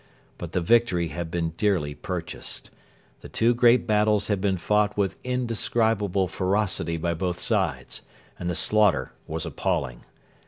But the victory had been dearly purchased. The two great battles had been fought with indescribable ferocity by both sides, and the slaughter was appalling.